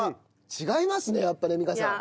違いますねやっぱね美香さん。